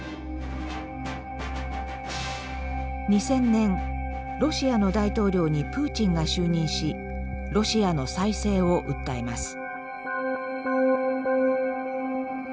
２０００年ロシアの大統領にプーチンが就任しロシアの再生を訴えます。